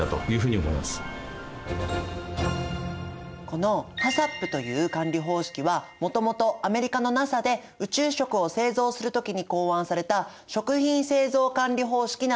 このＨＡＣＣＰという管理方式はもともとアメリカのＮＡＳＡで宇宙食を製造する時に考案された食品製造管理方式なんです。